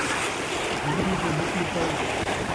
گزری تے مٹی پاؤ